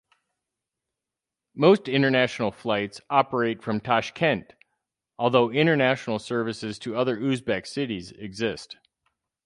Most international flights operate from Tashkent, although international services to other Uzbek cities exist.